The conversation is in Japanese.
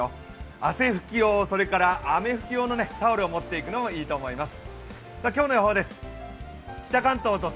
汗拭き用、それから雨拭き用のタオルを持っていくのもいいと思います。